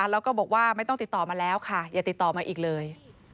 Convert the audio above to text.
แล้วก็บอกว่าไม่ต้องติดต่อมาแล้วค่ะอย่าติดต่อมาอีกเลย